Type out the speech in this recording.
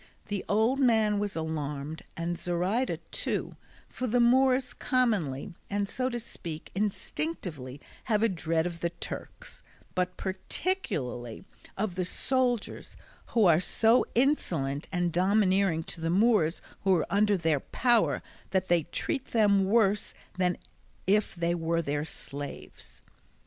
The old man was alarmed and Zoraida too, for the Moors commonly, and, so to speak, instinctively have a dread of the Turks, but particularly of the soldiers, who are so insolent and domineering to the Moors who are under their power that they treat them worse than if they were their slaves.